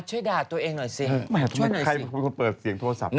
ช่วยด่าตัวเองหน่อยสิ